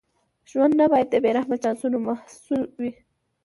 ژوند نه باید د بې رحمه چانسونو محصول وي.